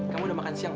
kamu udah makan siang